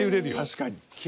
確かに。